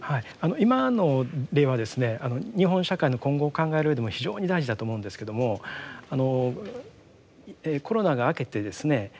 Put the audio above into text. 今の例はですね日本社会の今後を考えるうえでも非常に大事だと思うんですけどもあのコロナが明けてですね